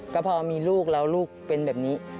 ก็พอมีลูกแล้วลูกเป็นแบบนี้